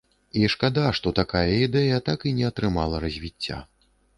І шкада, што такая ідэя так і не атрымала развіцця.